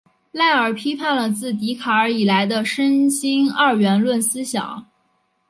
赖尔批判了自笛卡尔以来的身心二元论思想。